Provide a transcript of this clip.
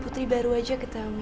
dia tidak akan menemani